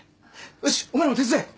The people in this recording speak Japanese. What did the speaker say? よしお前らも手伝え。